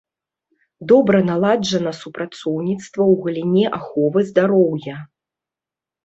Добра наладжана супрацоўніцтва ў галіне аховы здароўя.